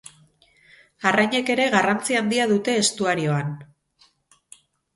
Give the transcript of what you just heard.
Arrainek ere garrantzi handia dute estuarioan.